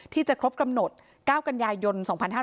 ที่จะครบกำหนด๙กันยายน๒๕๕๙